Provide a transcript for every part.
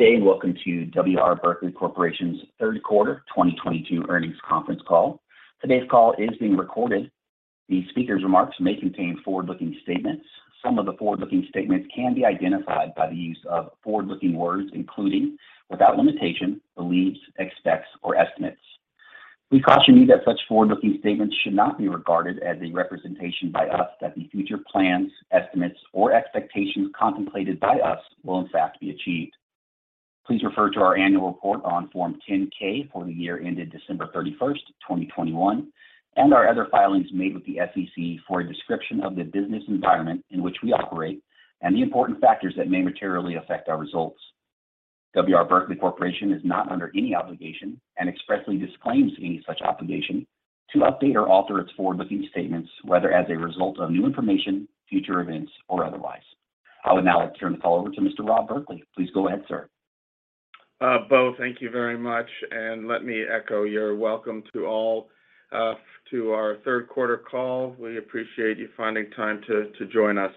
Good day, welcome to W. R. Berkley Corporation's third quarter 2022 earnings conference call. Today's call is being recorded. The speaker's remarks may contain forward-looking statements. Some of the forward-looking statements can be identified by the use of forward-looking words, including without limitation, believes, expects, or estimates. We caution you that such forward-looking statements should not be regarded as a representation by us that the future plans, estimates, or expectations contemplated by us will in fact be achieved. Please refer to our annual report on Form 10-K for the year ended December 31, 2021, and our other filings made with the SEC for a description of the business environment in which we operate and the important factors that may materially affect our results. W. R. Berkley Corporation is not under any obligation, and expressly disclaims any such obligation, to update or alter its forward-looking statements, whether as a result of new information, future events, or otherwise. I would now like to turn the call over to Mr. Rob Berkley. Please go ahead, sir. Bo, thank you very much, and let me echo your welcome to all, to our third quarter call. We appreciate you finding time to join us.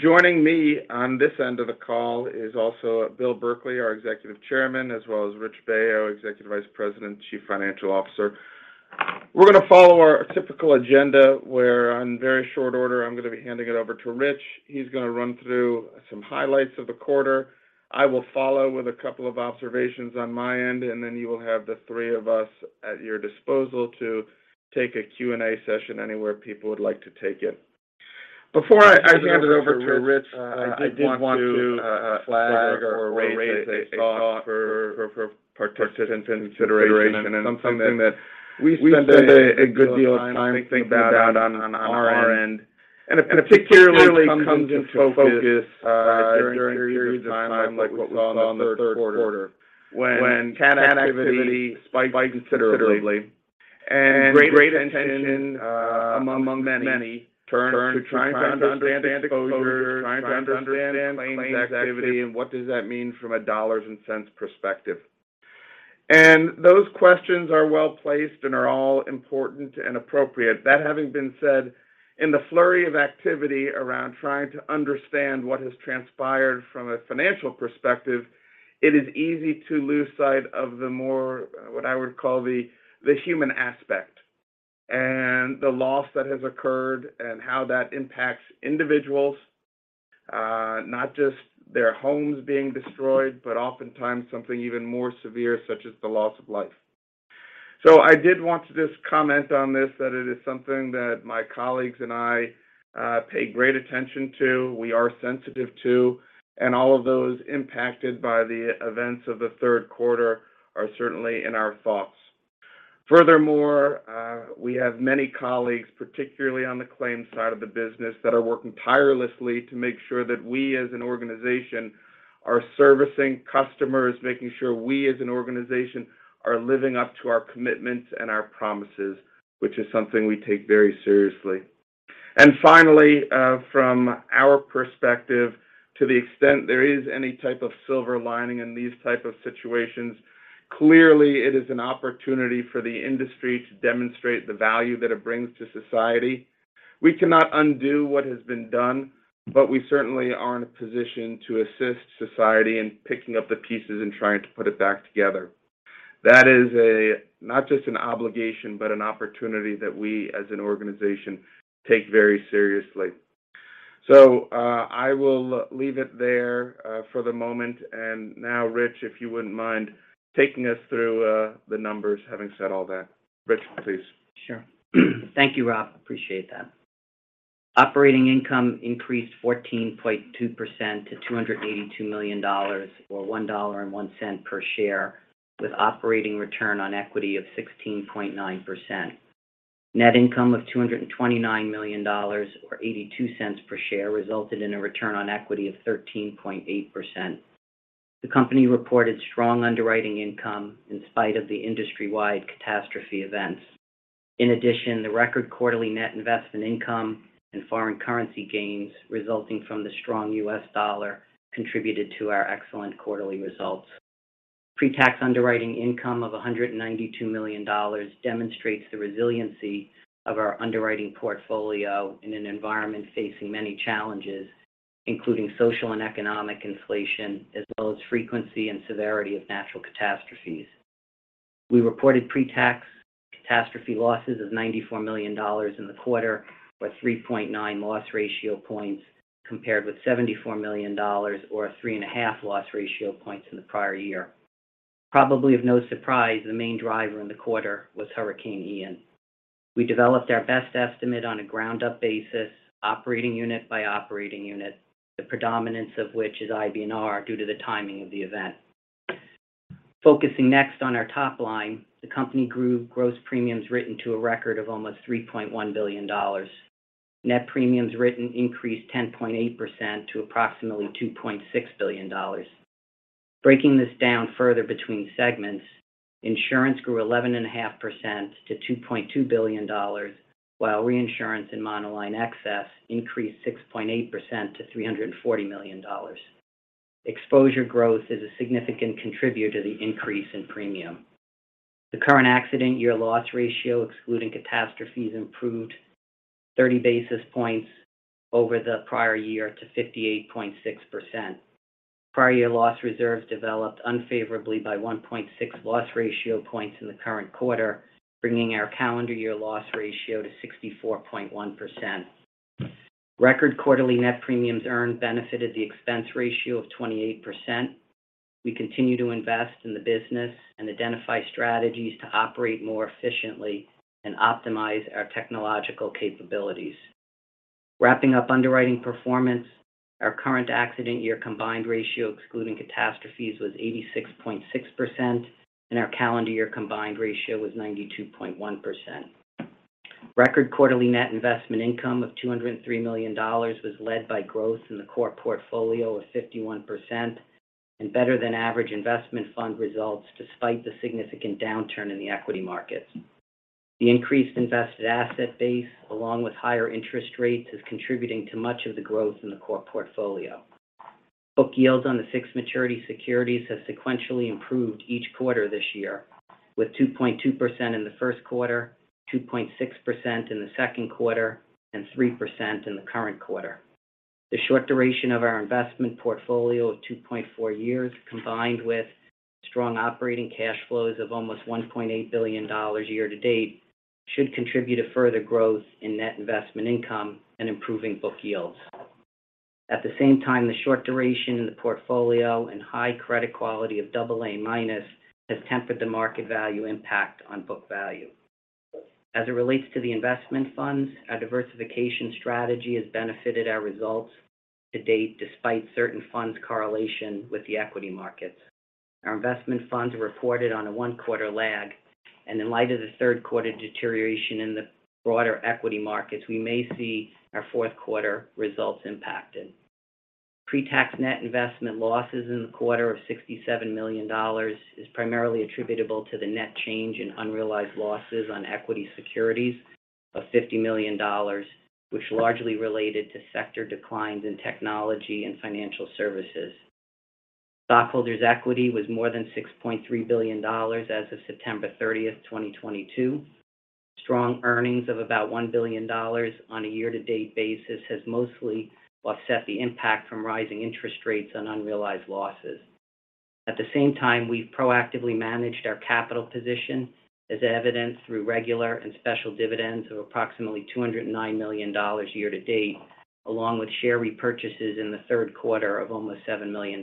Joining me on this end of the call is also Bill Berkley, our Executive Chairman, as well as Rich Baio, Executive Vice President, Chief Financial Officer. We're gonna follow our typical agenda, where in very short order, I'm gonna be handing it over to Rich. He's gonna run through some highlights of the quarter. I will follow with a couple of observations on my end, and then you will have the three of us at your disposal to take a Q&A session anywhere people would like to take it. Before I hand it over to Rich, I did want to flag or raise a thought for participant consideration and something that we spend a good deal of time thinking about on our end. It particularly comes into focus during periods of time like what we saw in the third quarter, when cat activity spikes considerably and great attention among many turn to trying to understand exposures, trying to understand claims activity, and what does that mean from a dollars and cents perspective. Those questions are well-placed and are all important and appropriate. That having been said, in the flurry of activity around trying to understand what has transpired from a financial perspective, it is easy to lose sight of the more, what I would call the human aspect and the loss that has occurred and how that impacts individuals. Not just their homes being destroyed, but oftentimes something even more severe, such as the loss of life. I did want to just comment on this, that it is something that my colleagues and I pay great attention to, we are sensitive to, and all of those impacted by the events of the third quarter are certainly in our thoughts. Furthermore, we have many colleagues, particularly on the claims side of the business, that are working tirelessly to make sure that we as an organization are servicing customers, making sure we as an organization are living up to our commitments and our promises, which is something we take very seriously. Finally, from our perspective, to the extent there is any type of silver lining in these type of situations, clearly it is an opportunity for the industry to demonstrate the value that it brings to society. We cannot undo what has been done, but we certainly are in a position to assist society in picking up the pieces and trying to put it back together. That is a, not just an obligation, but an opportunity that we as an organization take very seriously. I will leave it there, for the moment. Now, Rich, if you wouldn't mind taking us through the numbers, having said all that. Rich, please. Sure. Thank you, Rob. Appreciate that. Operating income increased 14.2% to $282 million, or $1.01 per share, with operating return on equity of 16.9%. Net income of $229 million or $0.82 per share resulted in a return on equity of 13.8%. The company reported strong underwriting income in spite of the industry-wide catastrophe events. In addition, the record quarterly net investment income and foreign currency gains resulting from the strong U.S. dollar contributed to our excellent quarterly results. Pre-tax underwriting income of $192 million demonstrates the resiliency of our underwriting portfolio in an environment facing many challenges, including social and economic inflation, as well as frequency and severity of natural catastrophes. We reported pre-tax catastrophe losses of $94 million in the quarter, or 3.9 loss ratio points, compared with $74 million or 3.5 loss ratio points in the prior year. Probably of no surprise, the main driver in the quarter was Hurricane Ian. We developed our best estimate on a ground-up basis, operating unit by operating unit, the predominance of which is IBNR due to the timing of the event. Focusing next on our top line, the company grew gross premiums written to a record of almost $3.1 billion. Net premiums written increased 10.8% to approximately $2.6 billion. Breaking this down further between segments, insurance grew 11.5% to $2.2 billion, while reinsurance in Monoline Excess increased 6.8% to $340 million. Exposure growth is a significant contributor to the increase in premium. The current accident year loss ratio, excluding catastrophes, improved 30 basis points over the prior year to 58.6%. Prior year loss reserves developed unfavorably by 1.6 loss ratio points in the current quarter, bringing our calendar year loss ratio to 64.1%. Record quarterly net premiums earned benefited the expense ratio of 28%. We continue to invest in the business and identify strategies to operate more efficiently and optimize our technological capabilities. Wrapping up underwriting performance, our current accident year combined ratio, excluding catastrophes, was 86.6%, and our calendar year combined ratio was 92.1%. Record quarterly net investment income of $203 million was led by growth in the core portfolio of 51% and better than average investment fund results despite the significant downturn in the equity markets. The increased invested asset base, along with higher interest rates, is contributing to much of the growth in the core portfolio. Book yields on the fixed maturity securities have sequentially improved each quarter this year, with 2.2% in the first quarter, 2.6% in the second quarter, and 3% in the current quarter. The short duration of our investment portfolio of 2.4 years, combined with strong operating cash flows of almost $1.8 billion year to date, should contribute to further growth in net investment income and improving book yields. At the same time, the short duration in the portfolio and high credit quality of double A-minus has tempered the market value impact on book value. As it relates to the investment funds, our diversification strategy has benefited our results to date despite certain funds' correlation with the equity markets. Our investment funds are reported on a one-quarter lag, and in light of the third quarter deterioration in the broader equity markets, we may see our fourth quarter results impacted. Pre-tax net investment losses in the quarter of $67 million is primarily attributable to the net change in unrealized losses on equity securities of $50 million, which largely related to sector declines in technology and financial services. Stockholders' equity was more than $6.3 billion as of September 30, 2022. Strong earnings of about $1 billion on a year-to-date basis has mostly offset the impact from rising interest rates on unrealized losses. At the same time, we've proactively managed our capital position as evidenced through regular and special dividends of approximately $209 million year to date, along with share repurchases in the third quarter of almost $7 million.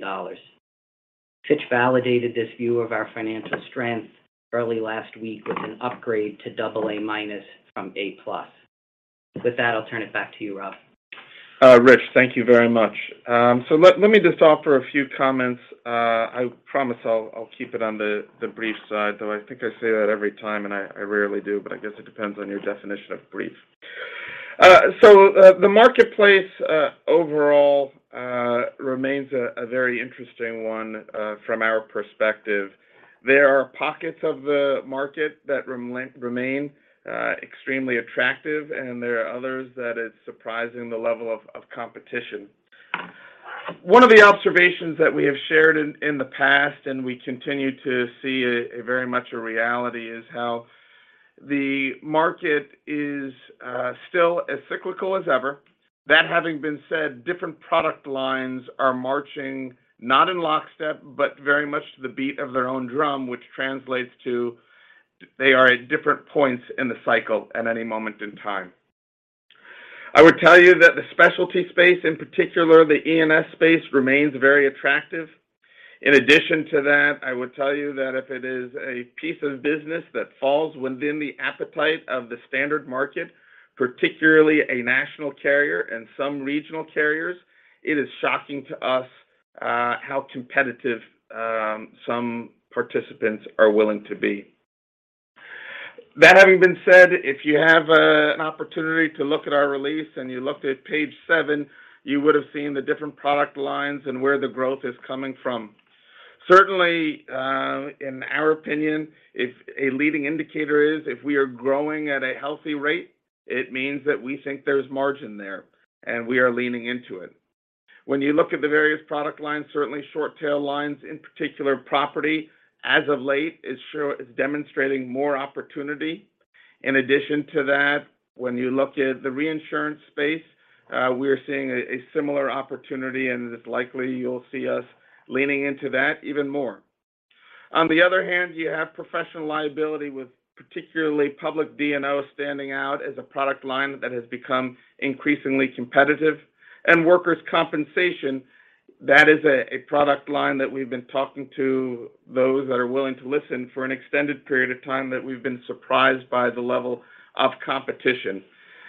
Fitch Ratings validated this view of our financial strength early last week with an upgrade to AA- from A+. With that, I'll turn it back to you, Rob. Rich, thank you very much. Let me just offer a few comments. I promise I'll keep it on the brief side, though I think I say that every time, and I rarely do, but I guess it depends on your definition of brief. The marketplace overall remains a very interesting one from our perspective. There are pockets of the market that remain extremely attractive, and there are others that it's surprising the level of competition. One of the observations that we have shared in the past, and we continue to see a very much a reality, is how the market is still as cyclical as ever. That having been said, different product lines are marching not in lockstep, but very much to the beat of their own drum, which translates to they are at different points in the cycle at any moment in time. I would tell you that the specialty space, in particular the E&S space, remains very attractive. In addition to that, I would tell you that if it is a piece of business that falls within the appetite of the standard market, particularly a national carrier and some regional carriers, it is shocking to us how competitive some participants are willing to be. That having been said, if you have an opportunity to look at our release and you looked at page seven, you would've seen the different product lines and where the growth is coming from. Certainly, in our opinion, if a leading indicator is if we are growing at a healthy rate, it means that we think there's margin there, and we are leaning into it. When you look at the various product lines, certainly short tail lines, in particular property, as of late is demonstrating more opportunity. In addition to that, when you look at the reinsurance space, we're seeing a similar opportunity, and it's likely you'll see us leaning into that even more. On the other hand, you have professional liability with particularly public D&O standing out as a product line that has become increasingly competitive. Workers' compensation, that is a product line that we've been talking to those that are willing to listen for an extended period of time that we've been surprised by the level of competition.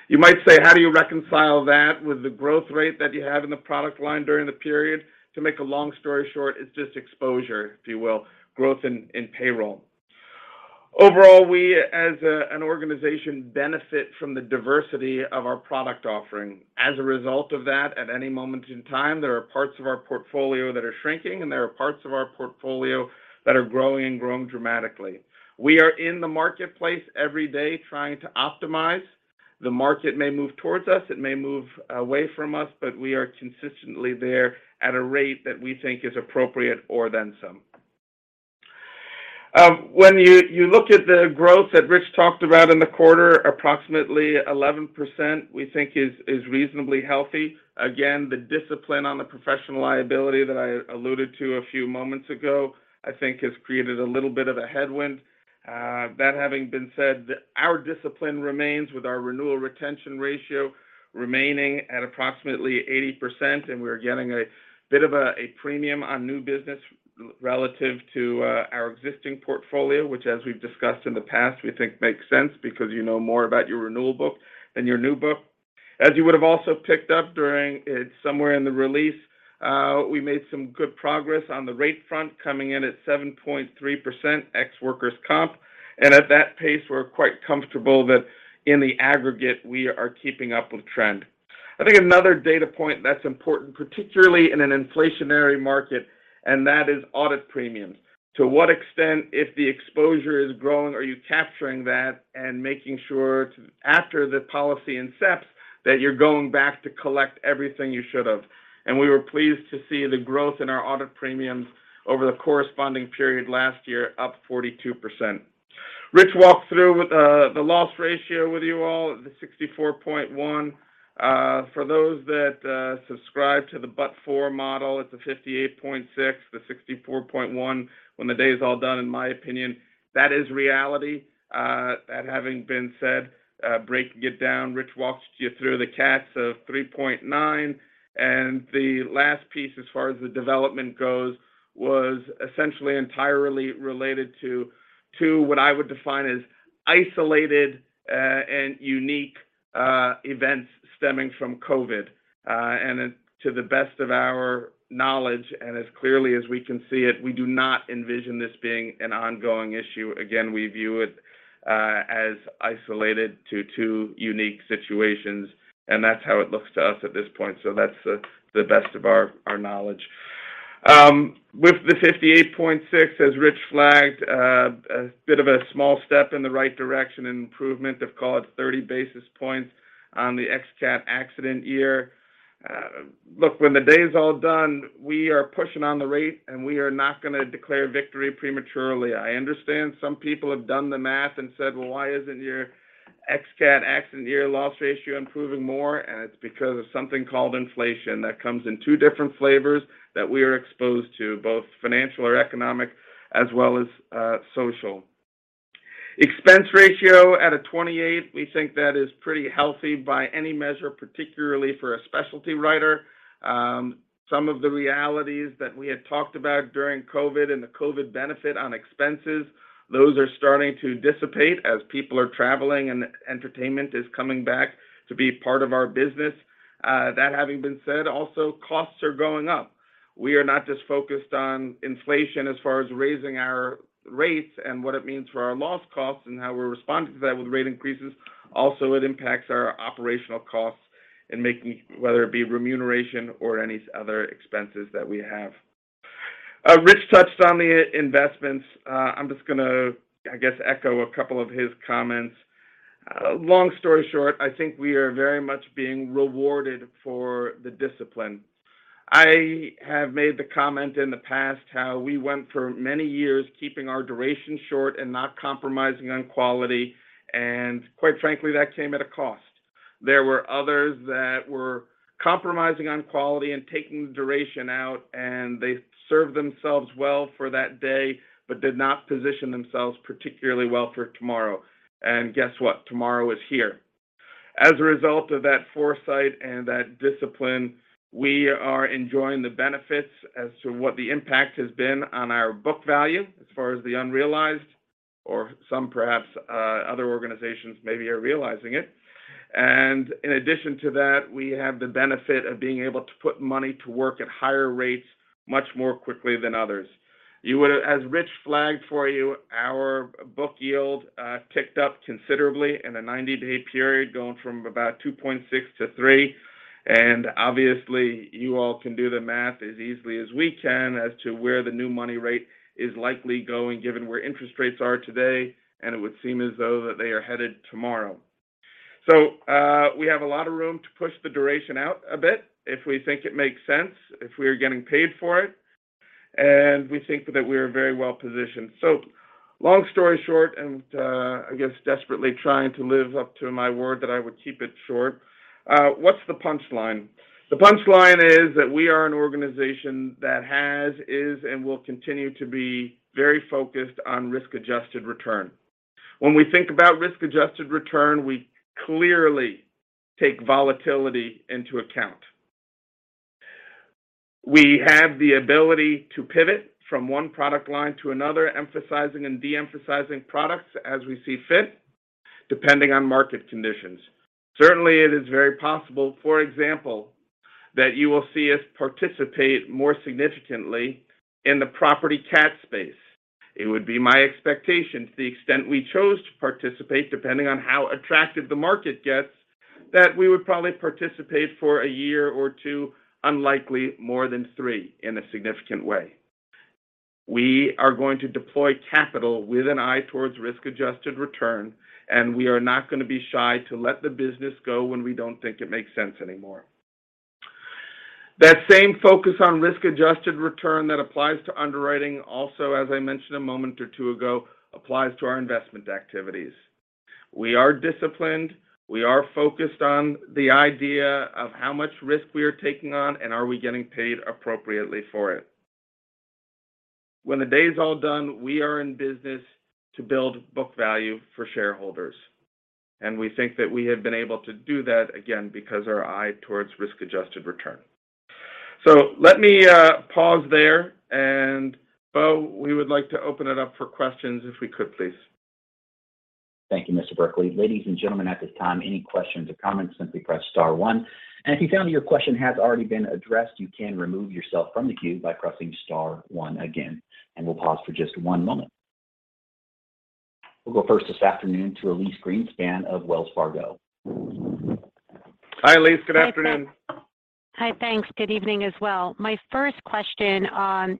You might say, how do you reconcile that with the growth rate that you have in the product line during the period? To make a long story short, it's just exposure, if you will, growth in payroll. Overall, we as an organization benefit from the diversity of our product offering. As a result of that, at any moment in time, there are parts of our portfolio that are shrinking, and there are parts of our portfolio that are growing and growing dramatically. We are in the marketplace every day trying to optimize. The market may move towards us, it may move away from us, but we are consistently there at a rate that we think is appropriate or then some. When you look at the growth that Rich talked about in the quarter, approximately 11% we think is reasonably healthy. Again, the discipline on the professional liability that I alluded to a few moments ago, I think has created a little bit of a headwind. That having been said, our discipline remains with our renewal retention ratio remaining at approximately 80%, and we're getting a bit of a premium on new business relative to our existing portfolio, which as we've discussed in the past, we think makes sense because you know more about your renewal book than your new book. As you would have also picked up during somewhere in the release, we made some good progress on the rate front coming in at 7.3% ex workers' comp. At that pace, we're quite comfortable that in the aggregate, we are keeping up with trend. I think another data point that's important, particularly in an inflationary market, and that is audit premiums. To what extent, if the exposure is growing, are you capturing that and making sure to, after the policy incepts, that you're going back to collect everything you should have. We were pleased to see the growth in our audit premiums over the corresponding period last year, up 42%. Rich walked through with, the loss ratio with you all, the 64.1. For those that subscribe to the but for model, it's a 58.6. The 64.1, when the day is all done, in my opinion, that is reality. That having been said, breaking it down, Rich walks you through the CATs of 3.9. The last piece as far as the development goes was essentially entirely related to what I would define as isolated and unique events stemming from COVID. To the best of our knowledge, and as clearly as we can see it, we do not envision this being an ongoing issue. Again, we view it as isolated to two unique situations, and that's how it looks to us at this point. That's the best of our knowledge. With the 58.6%, as Rich flagged, a bit of a small step in the right direction, an improvement of, call it, 30 basis points on the ex CAT accident year. Look, when the day is all done, we are pushing on the rate and we are not gonna declare victory prematurely. I understand some people have done the math and said, "Well, why isn't your ex CAT accident year loss ratio improving more?" It's because of something called inflation that comes in two different flavors that we are exposed to, both financial or economic as well as social. Expense ratio at a 28%, we think that is pretty healthy by any measure, particularly for a specialty writer. Some of the realities that we had talked about during COVID and the COVID benefit on expenses, those are starting to dissipate as people are traveling and entertainment is coming back to be part of our business. That having been said, also costs are going up. We are not just focused on inflation as far as raising our rates and what it means for our loss costs and how we're responding to that with rate increases. Also, it impacts our operational costs in making, whether it be remuneration or any other expenses that we have. Rich touched on the investments. I'm just gonna, I guess, echo a couple of his comments. Long story short, I think we are very much being rewarded for the discipline. I have made the comment in the past how we went for many years keeping our duration short and not compromising on quality, and quite frankly, that came at a cost. There were others that were compromising on quality and taking the duration out, and they served themselves well for that day, but did not position themselves particularly well for tomorrow. Guess what? Tomorrow is here. As a result of that foresight and that discipline, we are enjoying the benefits as to what the impact has been on our book value as far as the unrealized or some perhaps, other organizations maybe are realizing it. In addition to that, we have the benefit of being able to put money to work at higher rates much more quickly than others. As Rich flagged for you, our book yield ticked up considerably in a 90-day period, going from about 2.6-3. Obviously, you all can do the math as easily as we can as to where the new money rate is likely going, given where interest rates are today, and it would seem as though that they are headed tomorrow. We have a lot of room to push the duration out a bit if we think it makes sense, if we are getting paid for it, and we think that we are very well positioned. Long story short, and, I guess desperately trying to live up to my word that I would keep it short, what's the punchline? The punchline is that we are an organization that has, is, and will continue to be very focused on risk-adjusted return. When we think about risk-adjusted return, we clearly take volatility into account. We have the ability to pivot from one product line to another, emphasizing and de-emphasizing products as we see fit, depending on market conditions. Certainly, it is very possible, for example, that you will see us participate more significantly in the property CAT space. It would be my expectation to the extent we chose to participate, depending on how attractive the market gets, that we would probably participate for a year or two, unlikely more than three in a significant way. We are going to deploy capital with an eye towards risk-adjusted return, and we are not gonna be shy to let the business go when we don't think it makes sense anymore. That same focus on risk-adjusted return that applies to underwriting also, as I mentioned a moment or two ago, applies to our investment activities. We are disciplined. We are focused on the idea of how much risk we are taking on and are we getting paid appropriately for it. When the day is all done, we are in business to build book value for shareholders, and we think that we have been able to do that, again, because our eye towards risk-adjusted return. Let me pause there and, Bo, we would like to open it up for questions if we could, please. Thank you, Mr. Berkley. Ladies and gentlemen, at this time, any questions or comments, simply press star one. If you found your question has already been addressed, you can remove yourself from the queue by pressing star one again, and we'll pause for just one moment. We'll go first this afternoon to Elyse Greenspan of Wells Fargo. Hi, Elyse. Good afternoon. Hi, thanks. Good evening as well. My first question,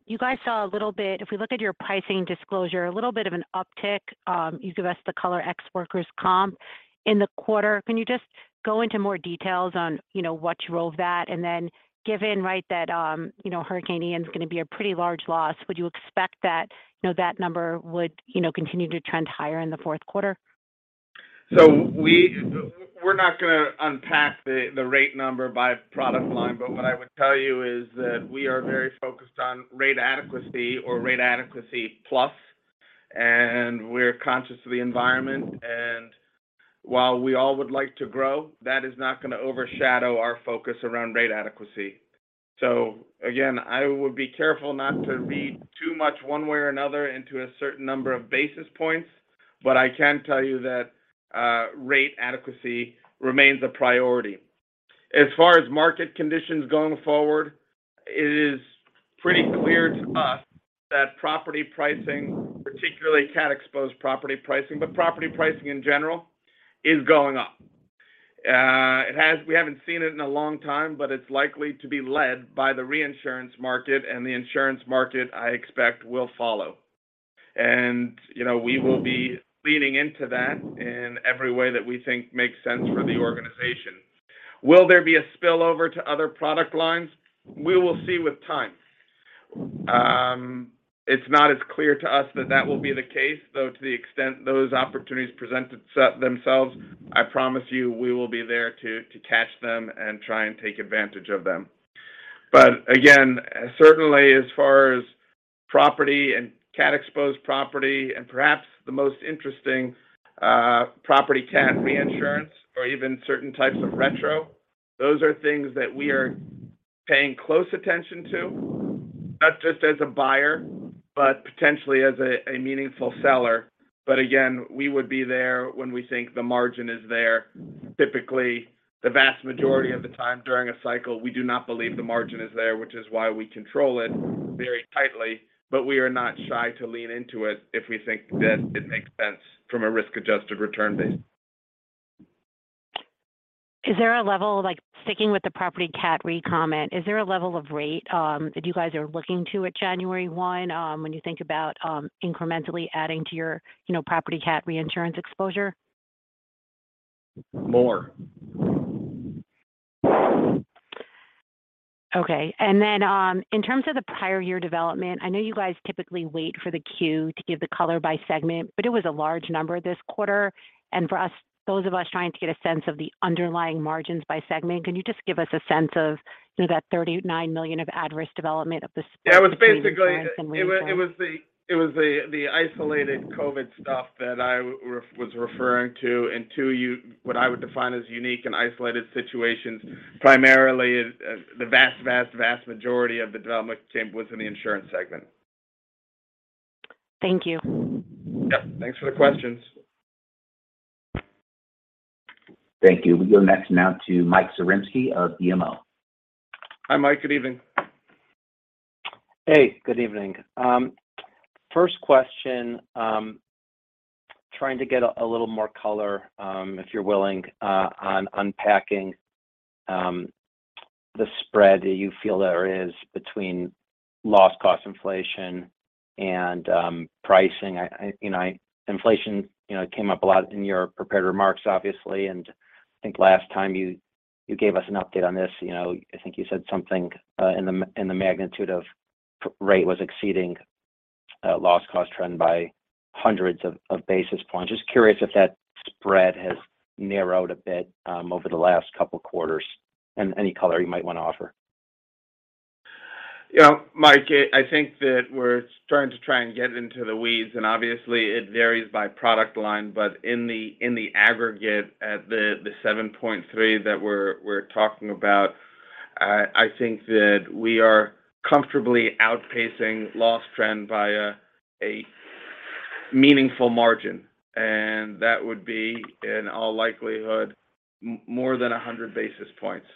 you guys saw a little bit, if we look at your pricing disclosure, a little bit of an uptick, you give us the color ex workers comp in the quarter. Can you just go into more details on, you know, what drove that? Given, right, that, you know, Hurricane Ian is going to be a pretty large loss, would you expect that, you know, that number would, you know, continue to trend higher in the fourth quarter? We're not gonna unpack the rate number by product line. What I would tell you is that we are very focused on rate adequacy or rate adequacy plus, and we're conscious of the environment. While we all would like to grow, that is not going to overshadow our focus around rate adequacy. I would be careful not to read too much one way or another into a certain number of basis points. I can tell you that rate adequacy remains a priority. As far as market conditions going forward, it is pretty clear to us that property pricing, particularly cat-exposed property pricing, but property pricing in general is going up. We haven't seen it in a long time, but it's likely to be led by the reinsurance market and the insurance market, I expect, will follow. You know, we will be leaning into that in every way that we think makes sense for the organization. Will there be a spillover to other product lines? We will see with time. It's not as clear to us that that will be the case, though, to the extent those opportunities present themselves, I promise you we will be there to catch them and try and take advantage of them. Again, certainly as far as property and cat-exposed property and perhaps the most interesting, property cat reinsurance or even certain types of retro, those are things that we are paying close attention to, not just as a buyer, but potentially as a meaningful seller. Again, we would be there when we think the margin is there. Typically, the vast majority of the time during a cycle, we do not believe the margin is there, which is why we control it very tightly. We are not shy to lean into it if we think that it makes sense from a risk-adjusted return basis. Is there a level like sticking with the property cat re comment, is there a level of rate that you guys are looking to at January 1, when you think about incrementally adding to your, you know, property cat reinsurance exposure? More. Okay. In terms of the prior year development, I know you guys typically wait for the Q to give the color by segment, but it was a large number this quarter. For us, those of us trying to get a sense of the underlying margins by segment, can you just give us a sense of, you know, that $39 million of adverse development of the- Yeah, it was basically. Between the- It was the isolated COVID stuff that I was referring to and to you what I would define as unique and isolated situations. Primarily, the vast majority of the development came within the insurance segment. Thank you. Yep. Thanks for the questions. Thank you. We go next now to Mike Zaremski of BMO. Hi, Mike. Good evening. Hey, good evening. First question, trying to get a little more color, if you're willing, on unpacking the spread that you feel there is between loss cost inflation and pricing. You know, inflation came up a lot in your prepared remarks, obviously. I think last time you gave us an update on this, you know, I think you said something in the magnitude of rate was exceeding loss cost trend by hundreds of basis points. Just curious if that spread has narrowed a bit over the last couple quarters and any color you might want to offer. You know, Mike, I think that we're starting to try and get into the weeds, and obviously it varies by product line. In the aggregate at the 7.3% that we're talking about, I think that we are comfortably outpacing loss trend by a meaningful margin, and that would be in all likelihood more than 100 basis points.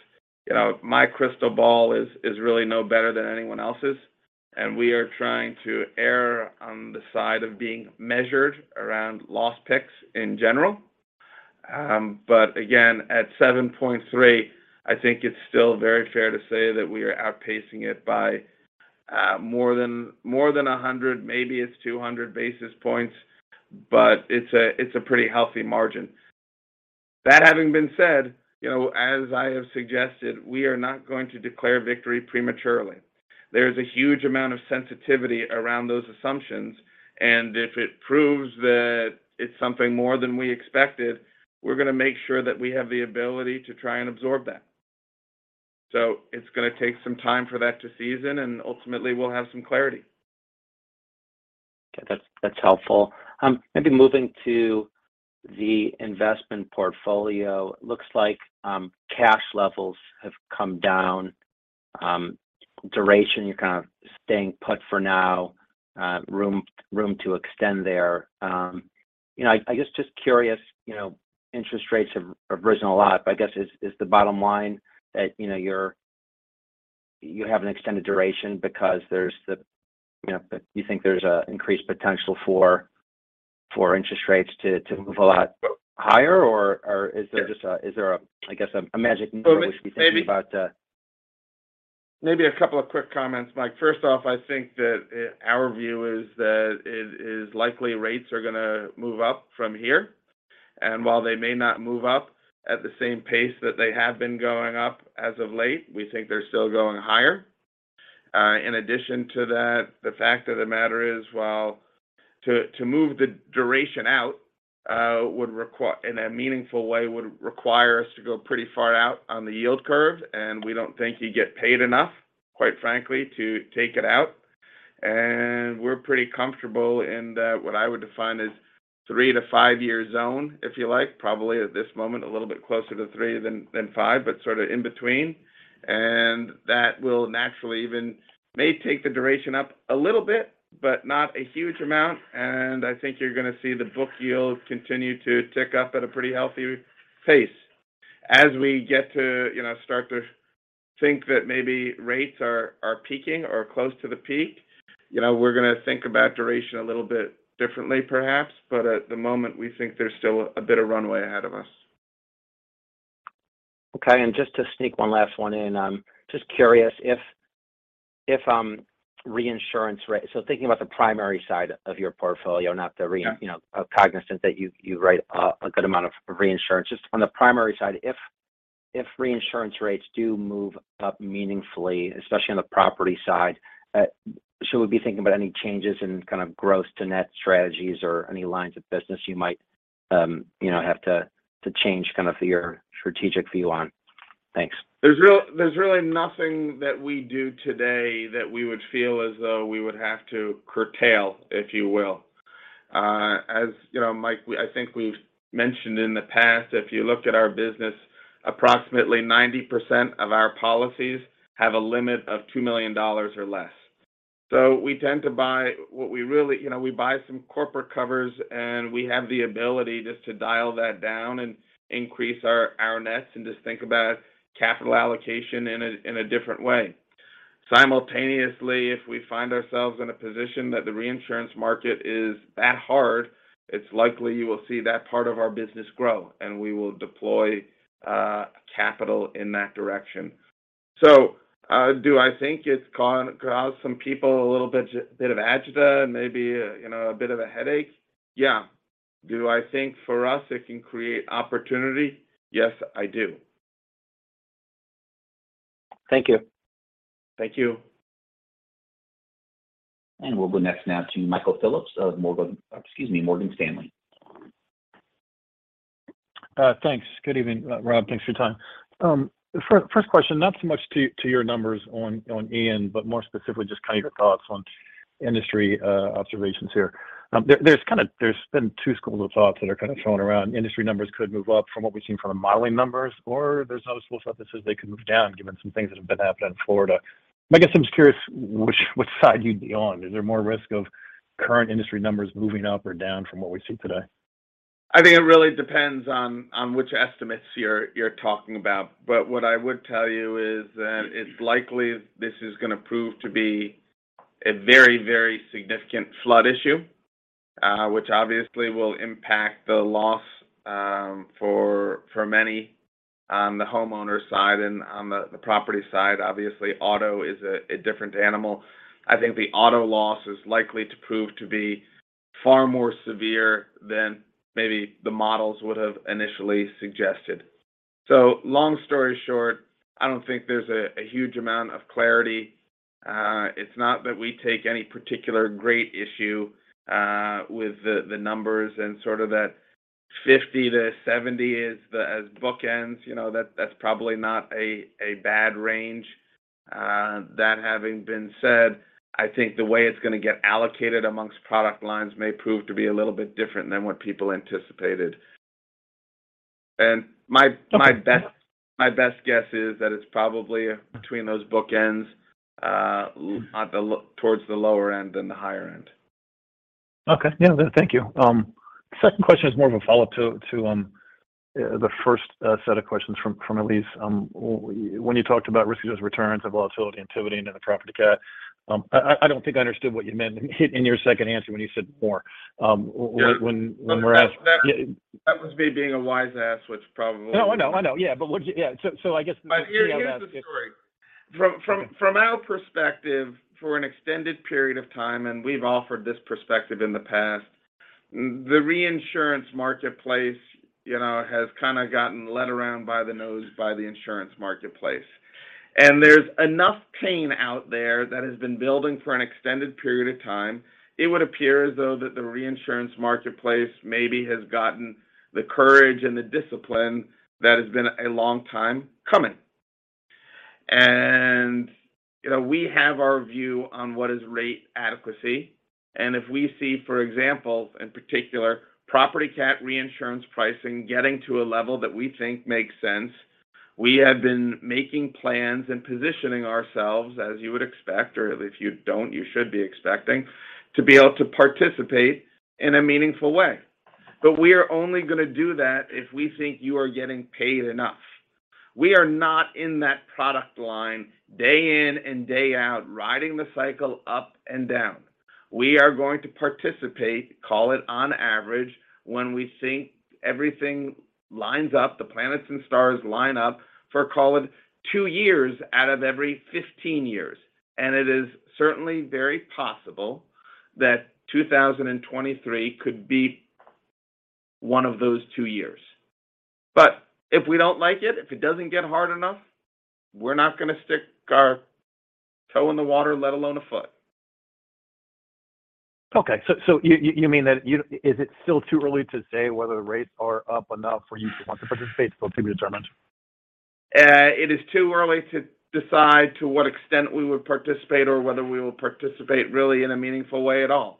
You know, my crystal ball is really no better than anyone else's, and we are trying to err on the side of being measured around loss picks in general. Again, at 7.3%, I think it's still very fair to say that we are outpacing it by more than 100, maybe it's 200 basis points, but it's a pretty healthy margin. That having been said, you know, as I have suggested, we are not going to declare victory prematurely. There is a huge amount of sensitivity around those assumptions, and if it proves that it's something more than we expected, we're gonna make sure that we have the ability to try and absorb that. It's gonna take some time for that to season, and ultimately we'll have some clarity. Okay. That's helpful. Maybe moving to the investment portfolio. Looks like cash levels have come down. Duration, you're kind of staying put for now. Room to extend there. You know, I guess just curious, you know, interest rates have risen a lot, but I guess is the bottom line that, you know, you have an extended duration because there's the, you know, you think there's an increased potential for interest rates to move a lot higher? Or is there just a. Is there a, I guess, a magic number we should be thinking about? Maybe a couple of quick comments, Mike. First off, I think that our view is that it is likely rates are gonna move up from here. While they may not move up at the same pace that they have been going up as of late, we think they're still going higher. In addition to that, the fact of the matter is, while to move the duration out in a meaningful way would require us to go pretty far out on the yield curve, and we don't think you get paid enough, quite frankly, to take it out. We're pretty comfortable in that what I would define as 3-5-year zone, if you like. Probably at this moment a little bit closer to three than five, but sort of in between. That will naturally, it may take the duration up a little bit, but not a huge amount. I think you're gonna see the book yield continue to tick up at a pretty healthy pace. As we get to, you know, start to think that maybe rates are peaking or close to the peak, you know, we're gonna think about duration a little bit differently perhaps, but at the moment, we think there's still a bit of runway ahead of us. Okay. Just to sneak one last one in, just curious if reinsurance so thinking about the primary side of your portfolio, not the re- Yeah You know, cognizant that you write a good amount of reinsurance. Just on the primary side, if reinsurance rates do move up meaningfully, especially on the property side, should we be thinking about any changes in kind of gross to net strategies or any lines of business you might you know have to change kind of your strategic view on? Thanks. There's really nothing that we do today that we would feel as though we would have to curtail, if you will. As you know, Mike, I think we've mentioned in the past, if you looked at our business, approximately 90% of our policies have a limit of $2 million or less. We tend to buy what we really. You know, we buy some corporate covers, and we have the ability just to dial that down and increase our nets and just think about capital allocation in a different way. Simultaneously, if we find ourselves in a position that the reinsurance market is that hard, it's likely you will see that part of our business grow, and we will deploy capital in that direction. Do I think it's gone. caused some people a little bit of agita, maybe, you know, a bit of a headache? Yeah. Do I think for us it can create opportunity? Yes, I do. Thank you. Thank you. We'll go next now to Michael Phillips of Morgan Stanley. Thanks. Good evening, Rob. Thanks for your time. First question, not so much to your numbers on Ian, but more specifically just kind of your thoughts on industry observations here. There's been two schools of thought that are kind of thrown around. Industry numbers could move up from what we've seen from the modeling numbers, or there's another school of thought that says they could move down given some things that have been happening in Florida. I guess I'm just curious which side you'd be on. Is there more risk of current industry numbers moving up or down from what we see today? I think it really depends on which estimates you're talking about. What I would tell you is that it's likely this is gonna prove to be a very, very significant flood issue, which obviously will impact the loss for many on the homeowner side and on the property side. Obviously, auto is a different animal. I think the auto loss is likely to prove to be far more severe than maybe the models would have initially suggested. Long story short, I don't think there's a huge amount of clarity. It's not that we take any particular great issue with the numbers and sort of that $50-$70 as the bookends. You know, that's probably not a bad range. That having been said, I think the way it's gonna get allocated amongst product lines may prove to be a little bit different than what people anticipated. My best- Okay My best guess is that it's probably between those bookends, towards the lower end than the higher end. Okay. Yeah. Thank you. Second question is more of a follow-up to the first set of questions from Elyse. When you talked about risk-adjusted returns of volatility and activity into the property cat, I don't think I understood what you meant in your second answer when you said more, when- Yeah Yeah. That was me being a wise ass, which probably. No, I know. Yeah. I guess. Here, here's the story. From our perspective, for an extended period of time, and we've offered this perspective in the past, the reinsurance marketplace, you know, has kind of gotten led around by the nose by the insurance marketplace. There's enough pain out there that has been building for an extended period of time. It would appear as though that the reinsurance marketplace maybe has gotten the courage and the discipline that has been a long time coming. You know, we have our view on what is rate adequacy, and if we see, for example, in particular, property cat reinsurance pricing getting to a level that we think makes sense, we have been making plans and positioning ourselves, as you would expect, or if you don't, you should be expecting, to be able to participate in a meaningful way. We are only going to do that if we think you are getting paid enough. We are not in that product line day in and day out, riding the cycle up and down. We are going to participate, call it on average, when we think everything lines up, the planets and stars line up for, call it, two years out of every 15 years. It is certainly very possible that 2023 could be one of those two years. If we don't like it, if it doesn't get hard enough, we're not going to stick our toe in the water, let alone a foot. Okay. You mean, is it still too early to say whether the rates are up enough for you to want to participate, still to be determined? It is too early to decide to what extent we would participate or whether we will participate really in a meaningful way at all.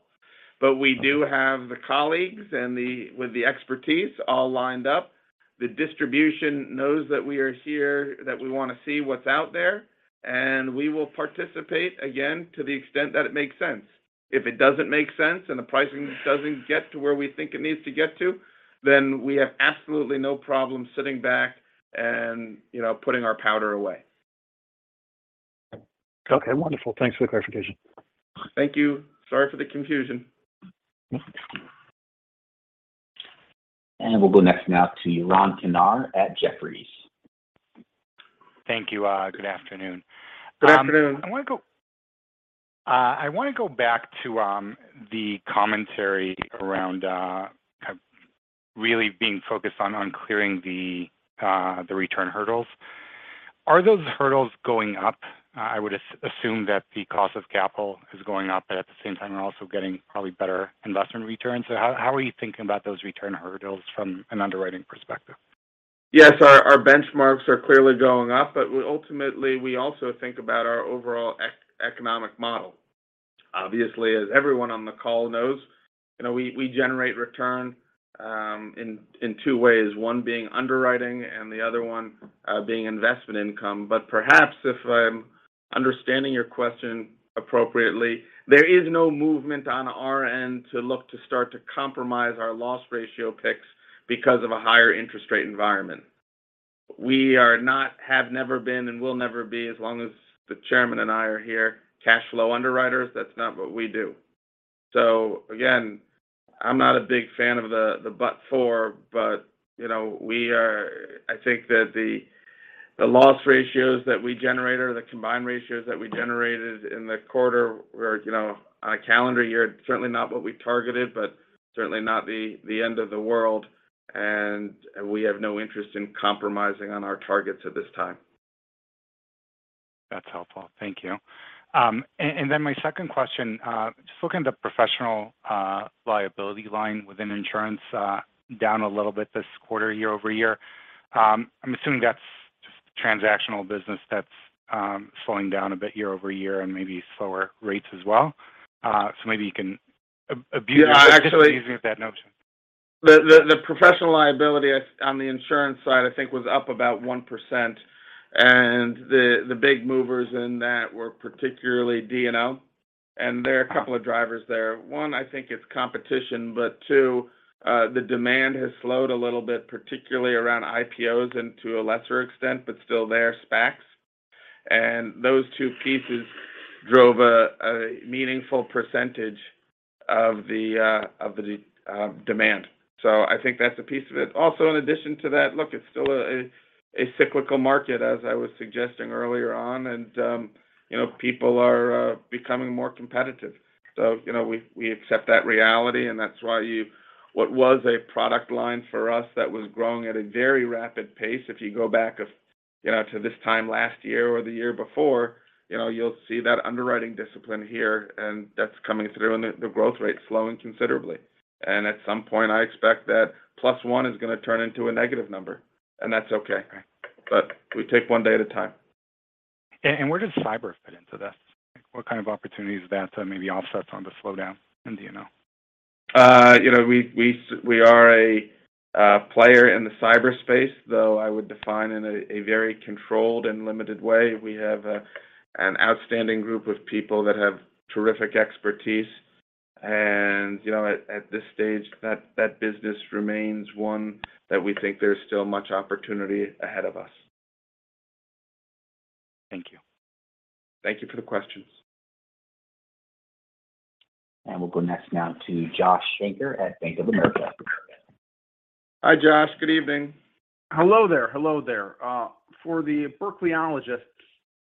We do have the colleagues and with the expertise all lined up. The distribution knows that we are here, that we want to see what's out there, and we will participate again to the extent that it makes sense. If it doesn't make sense and the pricing doesn't get to where we think it needs to get to, then we have absolutely no problem sitting back and, you know, putting our powder away. Okay, wonderful. Thanks for the clarification. Thank you. Sorry for the confusion. We'll go next now to Yaron Kinar at Jefferies. Thank you. Good afternoon. Good afternoon. I want to go back to the commentary around really being focused on clearing the return hurdles. Are those hurdles going up? I would assume that the cost of capital is going up, but at the same time, you're also getting probably better investment returns. How are you thinking about those return hurdles from an underwriting perspective? Yes, our benchmarks are clearly going up, but ultimately, we also think about our overall economic model. Obviously, as everyone on the call knows, you know, we generate return in two ways, one being underwriting and the other one being investment income. Perhaps if I'm understanding your question appropriately, there is no movement on our end to look to start to compromise our loss ratio picks because of a higher interest rate environment. We are not, have never been, and will never be, as long as the chairman and I are here, cash flow underwriters. That's not what we do. Again, I'm not a big fan of the but for, but you know, we are. I think that the loss ratios that we generated or the combined ratios that we generated in the quarter were, you know, on a calendar year, certainly not what we targeted, but certainly not the end of the world, and we have no interest in compromising on our targets at this time. That's helpful. Thank you. My second question, just looking at the professional liability line within insurance, down a little bit this quarter, year-over-year. I'm assuming that's just transactional business that's slowing down a bit year-over-year and maybe slower rates as well. Yeah, actually. disagree with that notion. The professional liability on the insurance side, I think was up about 1%. The big movers in that were particularly D&O, and there are a couple of drivers there. One, I think it's competition, but two, the demand has slowed a little bit, particularly around IPOs and to a lesser extent, but still there, SPACs. Those two pieces drove a meaningful percentage of the demand. I think that's a piece of it. Also, in addition to that, look, it's still a cyclical market, as I was suggesting earlier on, and you know, people are becoming more competitive. You know, we accept that reality, and that's why what was a product line for us that was growing at a very rapid pace, if you go back, you know, to this time last year or the year before, you know, you'll see that underwriting discipline here, and that's coming through in the growth rate slowing considerably. At some point, I expect that plus one is going to turn into a negative number, and that's okay. We take one day at a time. Where does cyber fit into this? What kind of opportunities is that to maybe offset some of the slowdown in D&O? You know, we are a player in the cyberspace, though I would define it in a very controlled and limited way. We have an outstanding group of people that have terrific expertise. You know, at this stage, that business remains one that we think there's still much opportunity ahead of us. Thank you. Thank you for the questions. We'll go next now to Joshua Shanker at Bank of America. Hi, Josh. Good evening. Hello there. For the Berkley-ologists,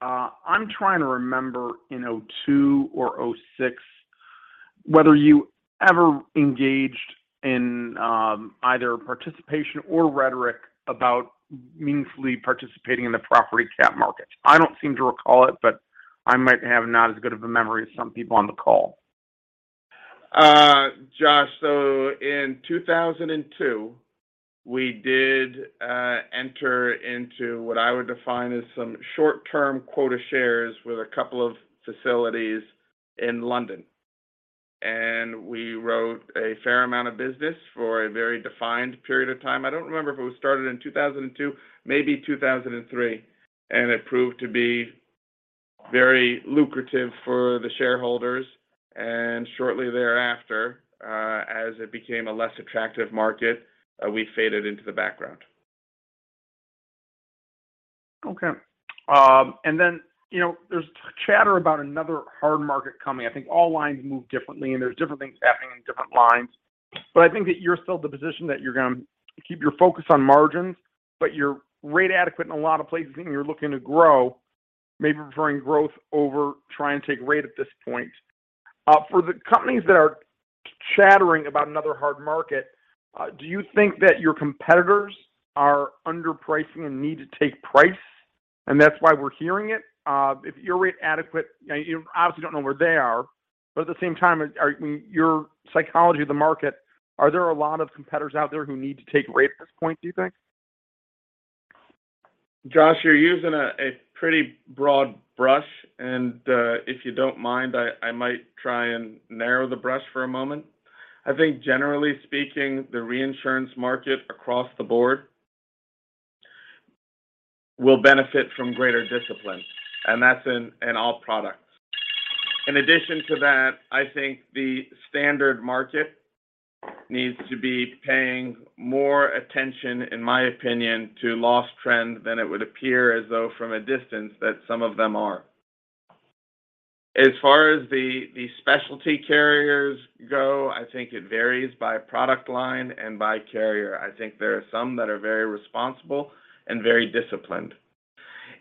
I'm trying to remember in 2002 or 2006 whether you ever engaged in either participation or rhetoric about meaningfully participating in the property cat market. I don't seem to recall it, but I might have not as good of a memory as some people on the call. Josh, in 2002, we did enter into what I would define as some short-term quota shares with a couple of facilities in London. We wrote a fair amount of business for a very defined period of time. I don't remember if it was started in 2002, maybe 2003, and it proved to be very lucrative for the shareholders. Shortly thereafter, as it became a less attractive market, we faded into the background. Okay. There's chatter about another hard market coming. I think all lines move differently, and there's different things happening in different lines. I think that you're still at the position that you're gonna keep your focus on margins, but you're rate adequate in a lot of places, and you're looking to grow, maybe preferring growth over trying to take rate at this point. For the companies that are chattering about another hard market, do you think that your competitors are underpricing and need to take price, and that's why we're hearing it? If you're rate adequate, you know, you obviously don't know where they are. At the same time, are your psychology of the market, are there a lot of competitors out there who need to take rate at this point, do you think? Josh, you're using a pretty broad brush, and if you don't mind, I might try and narrow the brush for a moment. I think generally speaking, the reinsurance market across the board will benefit from greater discipline, and that's in all products. In addition to that, I think the standard market needs to be paying more attention, in my opinion, to loss trend than it would appear as though from a distance that some of them are. As far as the specialty carriers go, I think it varies by product line and by carrier. I think there are some that are very responsible and very disciplined.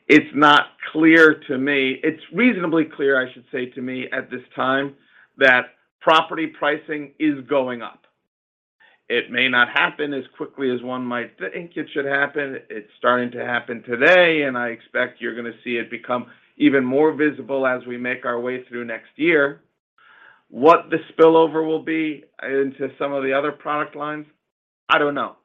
It's not clear to me. It's reasonably clear, I should say, to me at this time that property pricing is going up. It may not happen as quickly as one might think it should happen. It's starting to happen today, and I expect you're going to see it become even more visible as we make our way through next year. What the spillover will be into some of the other product lines, I don't know.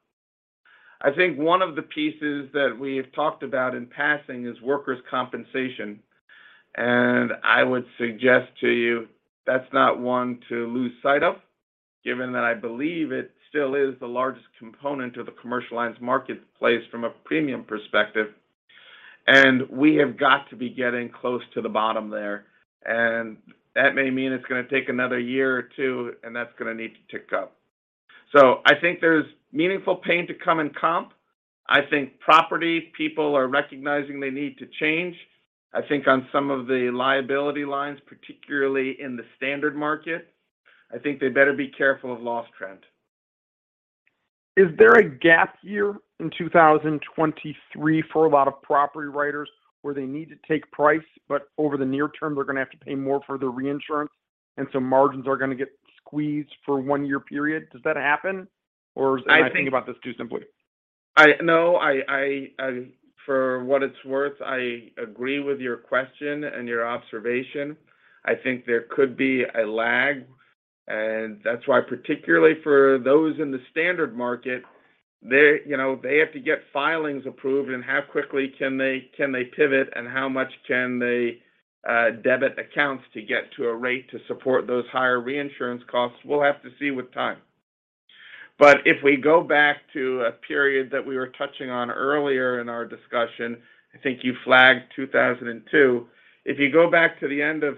I think one of the pieces that we've talked about in passing is workers' compensation, and I would suggest to you that's not one to lose sight of, given that I believe it still is the largest component of the commercial lines marketplace from a premium perspective. We have got to be getting close to the bottom there. That may mean it's going to take another year or two, and that's going to need to tick up. I think there's meaningful pain to come in comp. I think property people are recognizing they need to change. I think on some of the liability lines, particularly in the standard market, I think they better be careful of loss trend. Is there a gap year in 2023 for a lot of property writers where they need to take price, but over the near term, they're going to have to pay more for their reinsurance, and so margins are going to get squeezed for one year period? Does that happen, or am I thinking about this too simply? No, I for what it's worth, I agree with your question and your observation. I think there could be a lag, and that's why, particularly for those in the standard market, they, you know, they have to get filings approved and how quickly can they pivot and how much can they debit accounts to get to a rate to support those higher reinsurance costs. We'll have to see with time. If we go back to a period that we were touching on earlier in our discussion, I think you flagged 2002. If you go back to the end of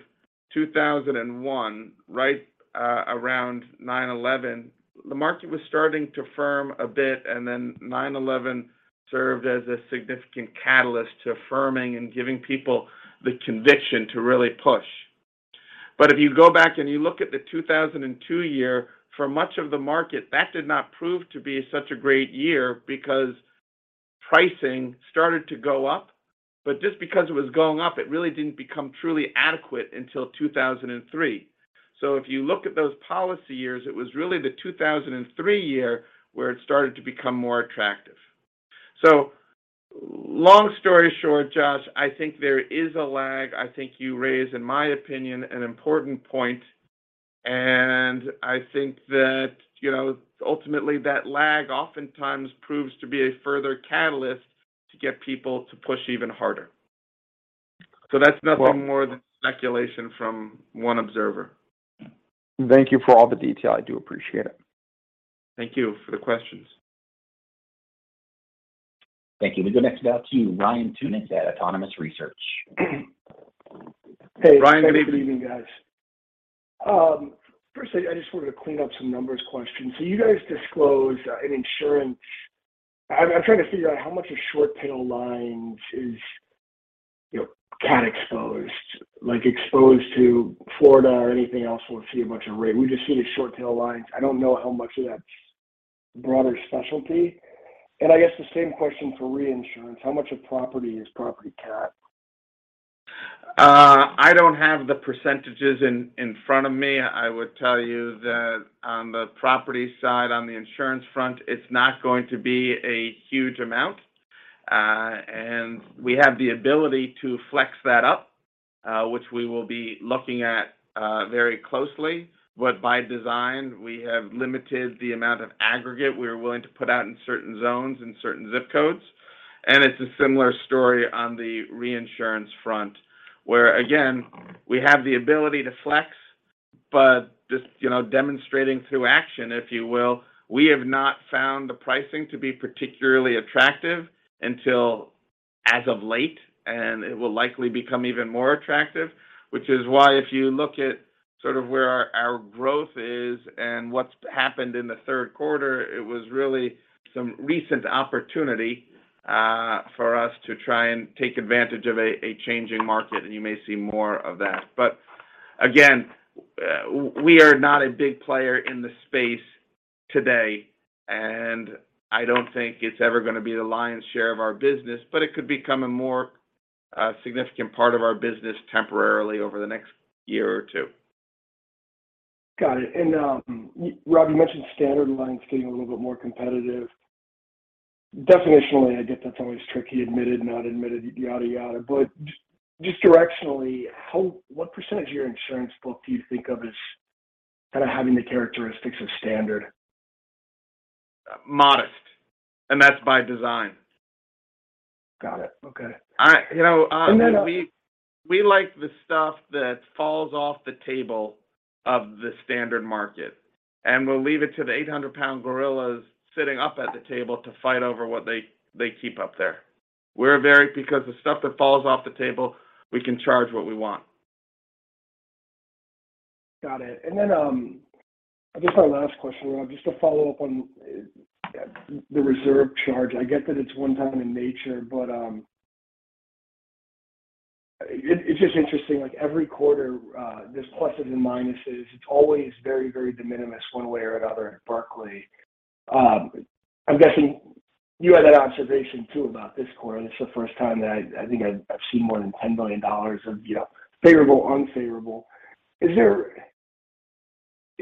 2001, right, around 9/11, the market was starting to firm a bit, and then 9/11 served as a significant catalyst to firming and giving people the conviction to really push. If you go back and you look at the 2002 year, for much of the market, that did not prove to be such a great year because pricing started to go up. Just because it was going up, it really didn't become truly adequate until 2003. If you look at those policy years, it was really the 2003 year where it started to become more attractive. Long story short, Josh, I think there is a lag. I think you raise, in my opinion, an important point, and I think that, you know, ultimately, that lag oftentimes proves to be a further catalyst to get people to push even harder. That's nothing more than speculation from one observer. Thank you for all the detail. I do appreciate it. Thank you for the questions. Thank you. We go next now to Ryan Tunis at Autonomous Research. Ryan, good evening. Hey, good evening, guys. Firstly, I just wanted to clean up some numbers questions. I'm trying to figure out how much of short tail lines is. You know, cat exposed, like exposed to Florida or anything else where we see a bunch of rain. We just see the short tail lines. I don't know how much of that's broader specialty. I guess the same question for reinsurance. How much of property is property cat? I don't have the percentages in front of me. I would tell you that on the property side, on the insurance front, it's not going to be a huge amount. We have the ability to flex that up, which we will be looking at very closely. By design, we have limited the amount of aggregate we're willing to put out in certain zones and certain zip codes. It's a similar story on the reinsurance front, where again, we have the ability to flex, but just, you know, demonstrating through action, if you will, we have not found the pricing to be particularly attractive until as of late, and it will likely become even more attractive. Which is why if you look at sort of where our growth is and what's happened in the third quarter, it was really some recent opportunity for us to try and take advantage of a changing market, and you may see more of that. Again, we are not a big player in the space today, and I don't think it's ever gonna be the lion's share of our business, but it could become a more significant part of our business temporarily over the next year or two. Got it. Rob, you mentioned standard lines getting a little bit more competitive. Definitionally, I get that's always tricky, admitted, not admitted, yada. But just directionally, what percentage of your insurance book do you think of as kind of having the characteristics of standard? Modest, and that's by design. Got it. Okay. I-- You know, um, we- And then, uh- We like the stuff that falls off the table of the standard market, and we'll leave it to the 800-pound gorillas sitting up at the table to fight over what they keep up there. Because the stuff that falls off the table, we can charge what we want. Got it. I guess my last question, Rob, just to follow up on the reserve charge. I get that it's one time in nature, but it's just interesting like every quarter, there's pluses and minuses. It's always very de minimis one way or another at Berkley. I'm guessing you had that observation too about this quarter. This is the first time that I think I've seen more than $10 billion of, you know, favorable, unfavorable.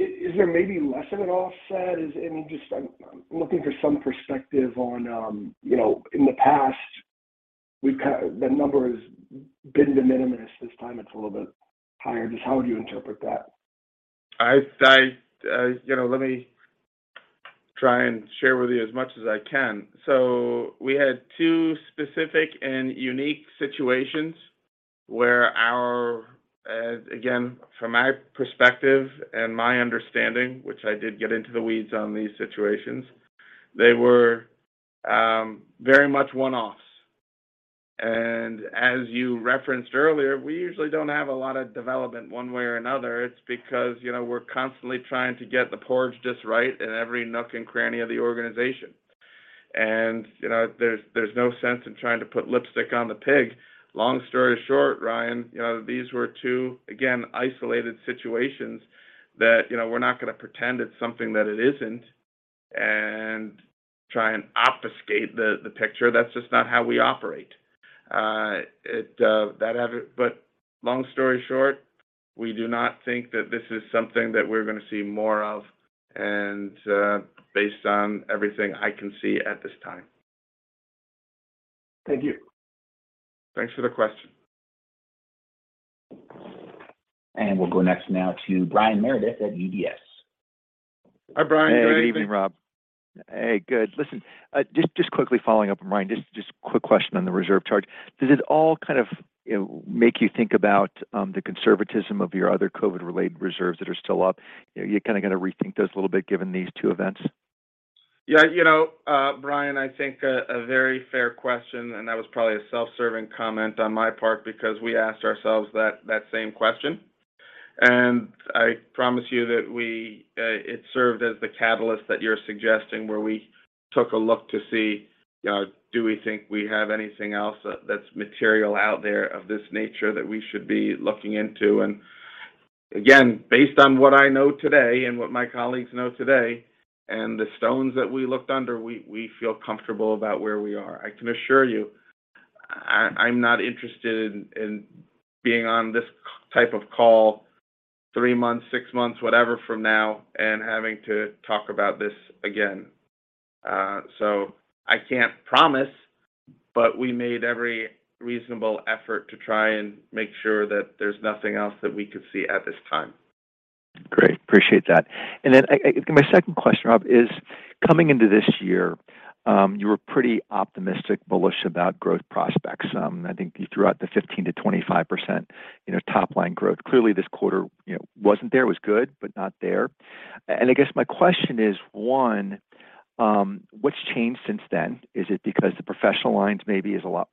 Is there maybe less of it offset? I mean, just I'm looking for some perspective on, you know, in the past, the number has been de minimis. This time it's a little bit higher. Just how would you interpret that? I. You know, let me try and share with you as much as I can. We had two specific and unique situations where our, again, from my perspective and my understanding, which I did get into the weeds on these situations, they were very much one-offs. As you referenced earlier, we usually don't have a lot of development one way or another. It's because, you know, we're constantly trying to get the porridge just right in every nook and cranny of the organization. You know, there's no sense in trying to put lipstick on the pig. Long story short, Ryan, you know, these were two, again, isolated situations that, you know, we're not going to pretend it's something that it isn't and try and obfuscate the picture. That's just not how we operate. Long story short, we do not think that this is something that we're going to see more of, and based on everything I can see at this time. Thank you. Thanks for the question. We'll go next now to Brian Meredith at UBS. Hi, Brian. You go ahead. Hey, good evening, Rob. Hey, good. Listen, just quickly following up on Ryan. Just a quick question on the reserve charge. Does it all kind of, you know, make you think about the conservatism of your other COVID-related reserves that are still up? You kind of got to rethink those a little bit given these two events. Yeah, you know, Brian, I think a very fair question, and that was probably a self-serving comment on my part because we asked ourselves that same question. I promise you that it served as the catalyst that you're suggesting where we took a look to see, do we think we have anything else that's material out there of this nature that we should be looking into. Again, based on what I know today and what my colleagues know today and the stones that we looked under, we feel comfortable about where we are. I can assure you, I'm not interested in being on this type of call three months, six months, whatever from now and having to talk about this again. I can't promise, but we made every reasonable effort to try and make sure that there's nothing else that we could see at this time. Great. Appreciate that. My second question, Rob, is coming into this year, you were pretty optimistic, bullish about growth prospects. I think you threw out the 15%-25%, you know, top line growth. Clearly, this quarter, you know, wasn't there. It was good, but not there. I guess my question is, one, what's changed since then? Is it because the professional lines maybe is a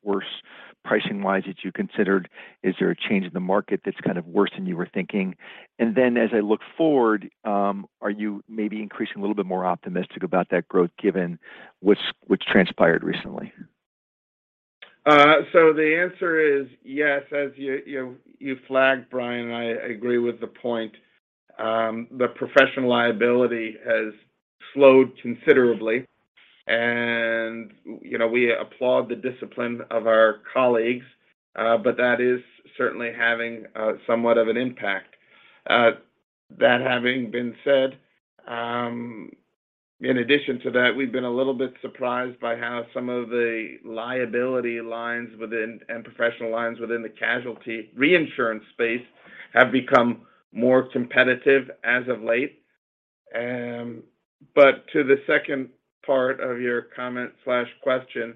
lot worse pricing-wise that you considered? Is there a change in the market that's kind of worse than you were thinking? And then as I look forward, are you maybe increasing a little bit more optimistic about that growth given what's transpired recently? The answer is yes. As you flagged, Brian, I agree with the point. The professional liability has slowed considerably. You know, we applaud the discipline of our colleagues, but that is certainly having somewhat of an impact. That having been said, in addition to that, we've been a little bit surprised by how some of the liability lines within, and professional lines within the casualty reinsurance space have become more competitive as of late. To the second part of your comment/question,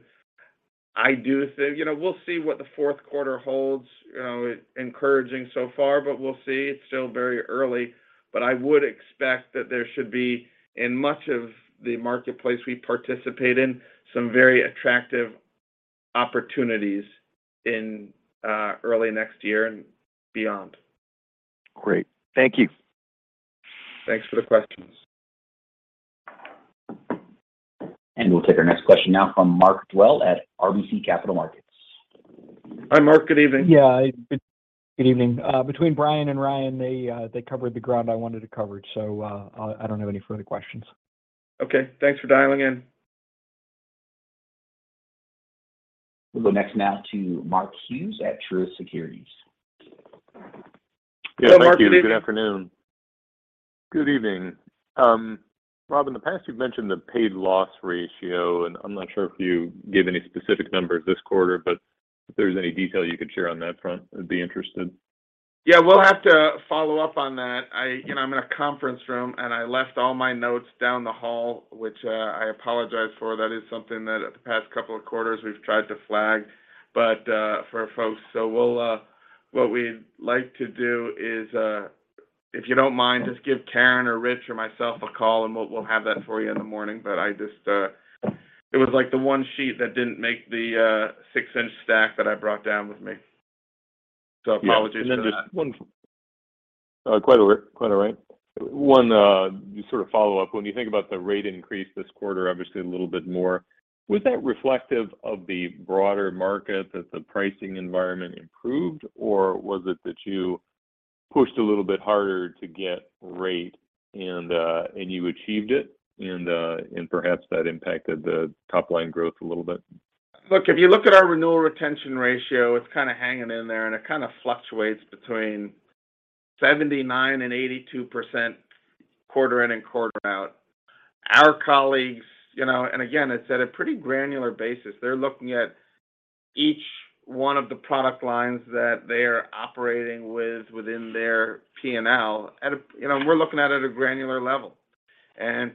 I do think. You know, we'll see what the fourth quarter holds. You know, encouraging so far, but we'll see. It's still very early. I would expect that there should be, in much of the marketplace we participate in, some very attractive opportunities in early next year and beyond. Great. Thank you. Thanks for the questions. We'll take our next question now from Mark Dwelle at RBC Capital Markets. Hi, Mark. Good evening. Yeah. Good evening. Between Brian and Ryan, they covered the ground I wanted to cover. I don't have any further questions. Okay. Thanks for dialing in. We'll go next now to Mark Hughes at Truist Securities. Hello, Mark. Good evening. Yeah. Thank you. Good afternoon. Good evening. Rob, in the past you've mentioned the paid loss ratio, and I'm not sure if you gave any specific numbers this quarter, but if there's any detail you could share on that front, I'd be interested. Yeah, we'll have to follow up on that. You know, I'm in a conference room, and I left all my notes down the hall, which I apologize for. That is something that the past couple of quarters we've tried to flag, but for folks. What we'd like to do is, if you don't mind, just give Karen or Rich or myself a call, and we'll have that for you in the morning. But I just, it was like the one sheet that didn't make the six-inch stack that I brought down with me. Yeah. Apologies for that. One sort of follow-up. When you think about the rate increase this quarter, obviously a little bit more, was that reflective of the broader market, that the pricing environment improved, or was it that you pushed a little bit harder to get rate and you achieved it and perhaps that impacted the top-line growth a little bit? Look, if you look at our renewal retention ratio, it's kind of hanging in there, and it kind of fluctuates between 79% and 82% quarter in and quarter out. Our colleagues, you know, and again, it's at a pretty granular basis. They're looking at each one of the product lines that they are operating with within their P&L. You know, and we're looking at it at a granular level.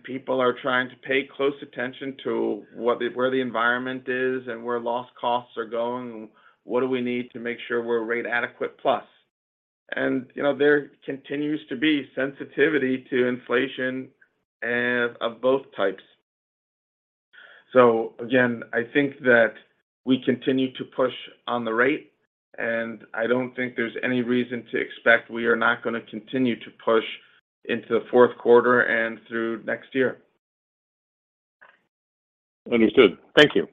People are trying to pay close attention to what the, where the environment is and where loss costs are going and what do we need to make sure we're rate adequate plus. You know, there continues to be sensitivity to inflation and of both types. Again, I think that we continue to push on the rate, and I don't think there's any reason to expect we are not gonna continue to push into the fourth quarter and through next year. Understood. Thank you.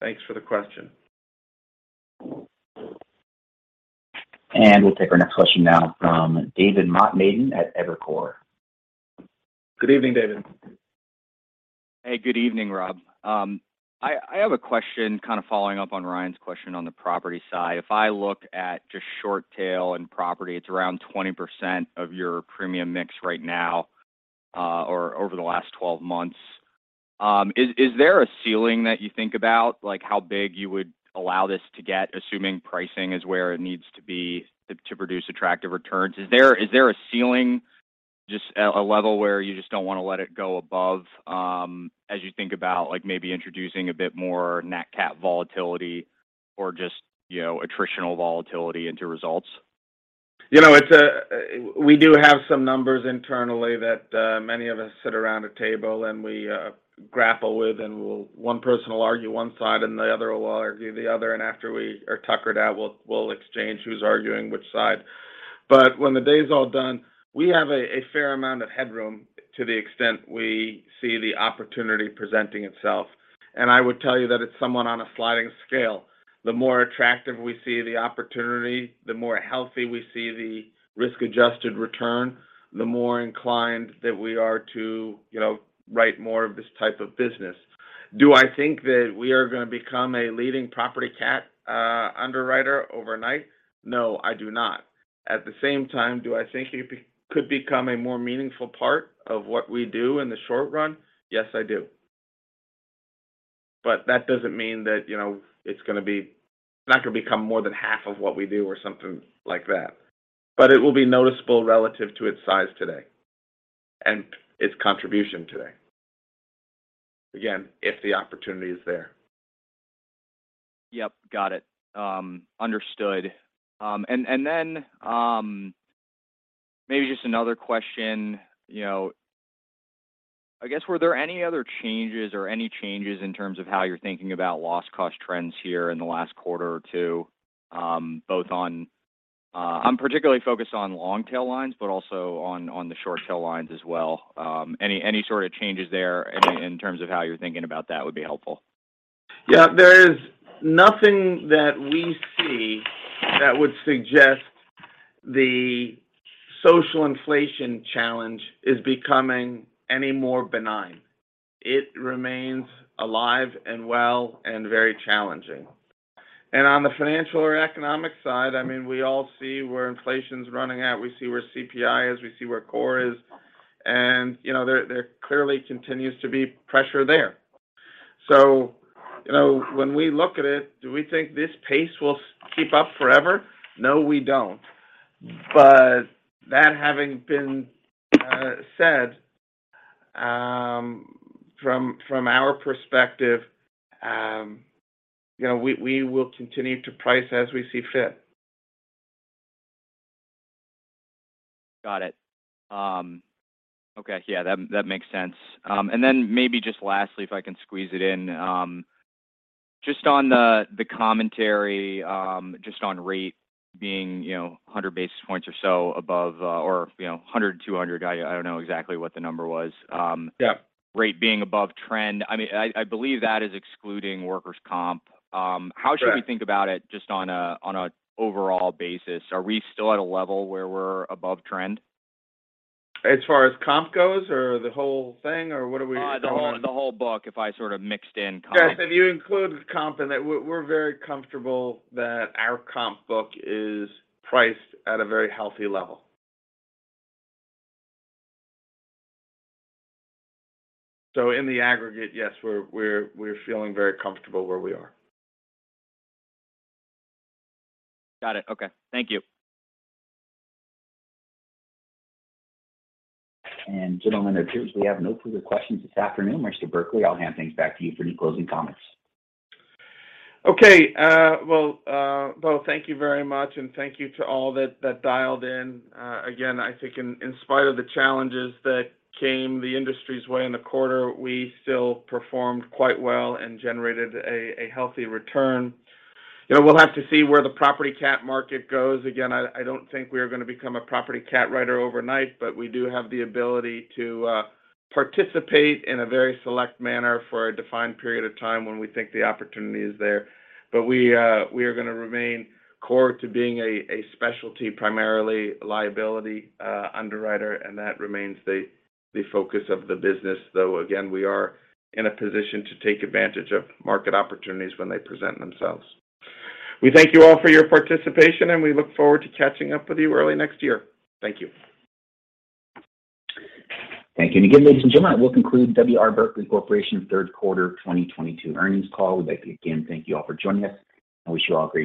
Thanks for the question. We'll take our next question now from David Motemaden at Evercore. Good evening, David. Hey, good evening, Rob. I have a question kind of following up on Ryan's question on the property side. If I look at just short tail and property, it's around 20% of your premium mix right now, or over the last 12 months. Is there a ceiling that you think about, like how big you would allow this to get, assuming pricing is where it needs to be to produce attractive returns? Is there a ceiling, just a level where you just don't want to let it go above, as you think about like maybe introducing a bit more nat cat volatility or just, you know, attritional volatility into results? We do have some numbers internally that, many of us sit around a table and we, grapple with, and one person will argue one side, and the other will argue the other, and after we are tuckered out, we'll exchange who's arguing which side. But when the day's all done, we have a fair amount of headroom to the extent we see the opportunity presenting itself. I would tell you that it's somewhat on a sliding scale. The more attractive we see the opportunity, the more healthy we see the risk-adjusted return, the more inclined that we are to, you know, write more of this type of business. Do I think that we are gonna become a leading property cat underwriter overnight? No, I do not. At the same time, do I think it could become a more meaningful part of what we do in the short run? Yes, I do. But that doesn't mean that, you know, it's not gonna become more than half of what we do or something like that. But it will be noticeable relative to its size today and its contribution today. Again, if the opportunity is there. Yep, got it. Understood. Maybe just another question. You know, I guess were there any other changes or any changes in terms of how you're thinking about loss cost trends here in the last quarter or two, both on, I'm particularly focused on long tail lines, but also on the short tail lines as well. Any sort of changes there in terms of how you're thinking about that would be helpful. Yeah. There is nothing that we see that would suggest the social inflation challenge is becoming any more benign. It remains alive and well and very challenging. On the financial or economic side, I mean, we all see where inflation's running at, we see where CPI is, we see where core is, and, you know, there clearly continues to be pressure there. You know, when we look at it, do we think this pace will keep up forever? No, we don't. That having been said, from our perspective, you know, we will continue to price as we see fit. Got it. Okay. Yeah, that makes sense. Maybe just lastly, if I can squeeze it in, just on the commentary, just on rate being, you know, 100 basis points or so above, you know, 100, 200, I don't know exactly what the number was. Yeah. Rate being above trend. I mean, I believe that is excluding workers' comp. Sure. How should we think about it just on an overall basis? Are we still at a level where we're above trend? As far as comp goes or the whole thing? Or what are we talking about? The whole book, if I sort of mixed in comp. Yes. If you include comp in it, we're very comfortable that our comp book is priced at a very healthy level. In the aggregate, yes, we're feeling very comfortable where we are. Got it. Okay. Thank you. Gentlemen, it appears we have no further questions this afternoon. Mr. Berkley, I'll hand things back to you for any closing comments. Okay. Well, thank you very much, and thank you to all that dialed in. Again, I think in spite of the challenges that came the industry's way in the quarter, we still performed quite well and generated a healthy return. You know, we'll have to see where the property cat market goes. Again, I don't think we're gonna become a property cat writer overnight, but we do have the ability to participate in a very select manner for a defined period of time when we think the opportunity is there. But we are gonna remain core to being a specialty primarily liability underwriter, and that remains the focus of the business. Though, again, we are in a position to take advantage of market opportunities when they present themselves. We thank you all for your participation, and we look forward to catching up with you early next year. Thank you. Thank you again, ladies and gentlemen. That will conclude W. R. Berkley Corporation's third quarter 2022 earnings call. We'd like to again thank you all for joining us and wish you all a great day.